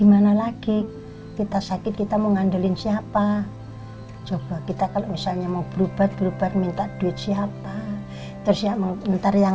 kondisi apapun anaknya ibu selalu tidak pernah berhenti berjuang